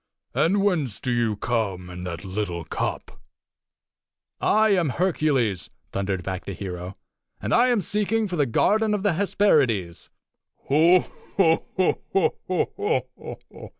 And whence do you come in that little cup?" "I am Hercules!" thundered back the hero. "And I am seeking for the garden of the Hesperides!" "Ho! ho! ho!"